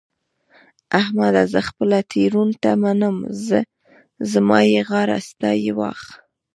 احمده! زه خپله تېرونته منم؛ زما يې غاړه ستا يې واښ.